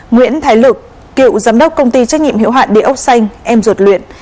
nguyễn thái lực cựu giám đốc công ty trách nhiệm hiệu hạn đế úc xanh em ruột luyện